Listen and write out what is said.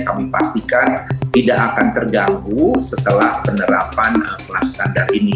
kami pastikan tidak akan terganggu setelah penerapan kelas standar ini